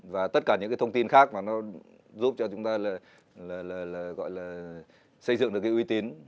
và tất cả những cái thông tin khác mà nó giúp cho chúng ta là gọi là xây dựng được cái uy tín